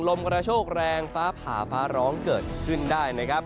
ลมกระโชคแรงฟ้าผ่าฟ้าร้องเกิดขึ้นได้นะครับ